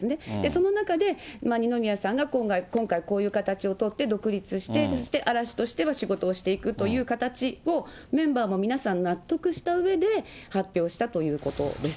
その中で、二宮さんが今回、こういう形を取って独立して、そして嵐としては仕事をしていくという形を、メンバーの皆さんも納得したうえで発表したということです。